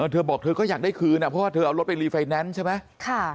เธอบอกเธอก็อยากได้คืนเพราะว่าเธอเอารถไปรีไฟแนนซ์ใช่ไหม